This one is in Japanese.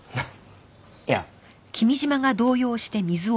いや。